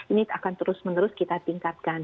ini akan terus menerus kita tingkatkan